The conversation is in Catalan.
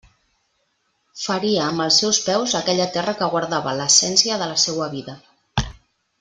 Feria amb els seus peus aquella terra que guardava l'essència de la seua vida.